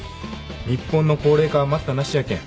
日本の高齢化は待ったなしやけん